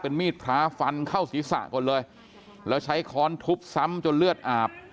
มีดพระฟันเข้าศีรษะก่อนเลยแล้วใช้ค้อนทุบซ้ำจนเลือดอาบ